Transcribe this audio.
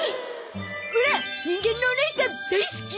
オラ人間のおねいさん大好き！